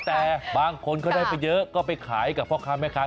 แต่บางคนเขาได้ไปเยอะก็ไปขายกับพ่อค้าแม่ค้า